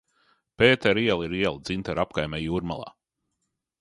Pētera iela ir iela Dzintaru apkaimē Jūrmalā.